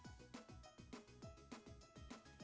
aku udah kenyang